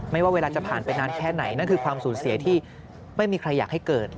ว่าเวลาจะผ่านไปนานแค่ไหนนั่นคือความสูญเสียที่ไม่มีใครอยากให้เกิด